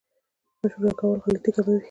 مشوره کول غلطي کموي